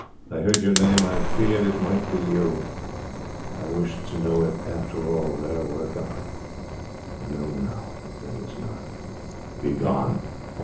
'I heard your name; I feared it might be you; I wished to know if, after all, there were a God; I know now that there is none. Begone!